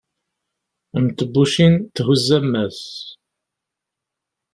mm tebbucin thuzz ammas